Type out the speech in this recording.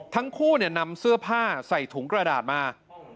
ทั้งคู่นำเสื้อผ้าใส่ถุงกระดาษมา